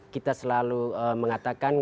kita selalu mengatakan